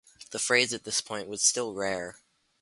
The phrase at this point was still rare.